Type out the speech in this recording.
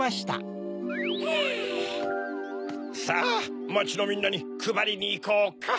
さぁまちのみんなにくばりにいこうか！